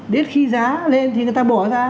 đến khi giá lên thì người ta bỏ ra